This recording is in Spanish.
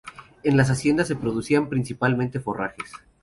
En las haciendas se producían principalmente forrajes.